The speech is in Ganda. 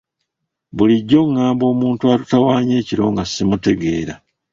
Bulijjo ongamba omuntu atutawaanya ekiro nga simutegeera.